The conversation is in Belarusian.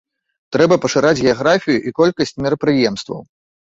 Трэба пашыраць геаграфію і колькасць мерапрыемстваў.